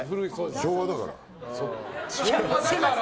昭和だから。